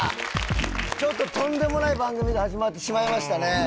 ちょっととんでもない番組が始まってしまいましたね